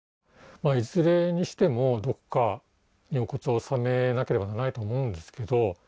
まあいずれにしてもどこかにお骨を納めなければならないと思うのですけど